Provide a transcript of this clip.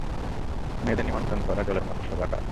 মেয়েদের নিয়ন্ত্রণ করা জলের মতো সোজা কাজ!